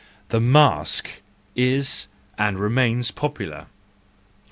The masque is and remains popular!